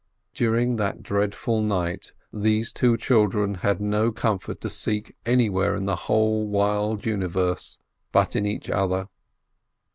During that dreadful night these two children had no comfort to seek anywhere in the whole wide universe but in each other.